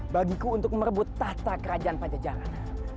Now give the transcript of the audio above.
bagi ku menjadi merebut tahta kerajaan panjah jalan